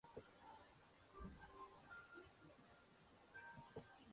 Actual señor de la Higuera de Vargas